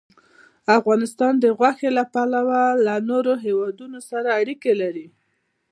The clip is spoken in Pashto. افغانستان د غوښې له پلوه له نورو هېوادونو سره اړیکې لري.